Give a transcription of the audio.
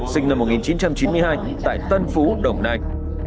sinh năm một nghìn chín trăm chín mươi hai tại tân phú đồng nai